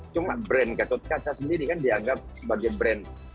cuma brand gatot kaca sendiri kan dianggap sebagai brand